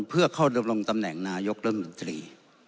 เพื่อเข้าดำรงตำแหน่งนายกรัฐมนตรี